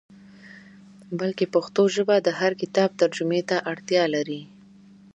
بلکې پښتو ژبه د هر کتاب ترجمې ته اړتیا لري.